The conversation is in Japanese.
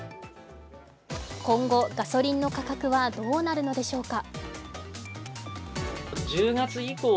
今後、ガソリンの価格はどうなるのでしょうか？